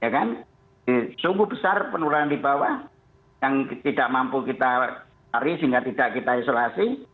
ya kan sungguh besar penularan di bawah yang tidak mampu kita cari sehingga tidak kita isolasi